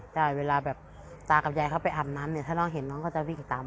ใช่เวลาแบบตากับยายเขาไปอาบน้ำเนี่ยถ้าน้องเห็นน้องเขาจะวิ่งตาม